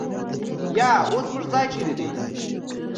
یا اوس زموږ ځای چېرې دی؟